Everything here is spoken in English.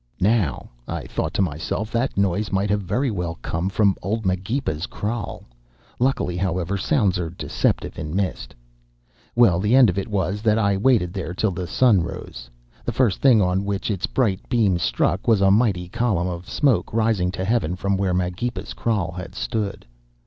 "Now, I thought to myself, that noise might very well have come from old Magepa's kraal; luckily, however, sounds are deceptive in mist. "Well, the end of it was that I waited there till the sun rose. The first thing on which its bright beams struck was a mighty column of smoke rising to heaven from where Magepa's kraal had stood!